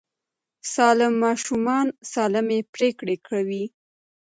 سالم ماشومان سالمې پرېکړې کوي.